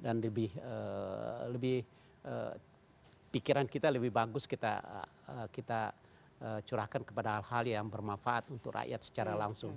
dan lebih pikiran kita lebih bagus kita curahkan kepada hal hal yang bermanfaat untuk rakyat secara langsung